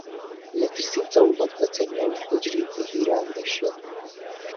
لە ترسی دەوڵەت بە تەنیا لە حوجرەیەکی هیران دەژیا